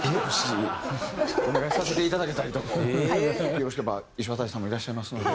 よろしければいしわたりさんもいらっしゃいますので。